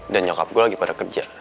dan nyokap gue lagi pada kerja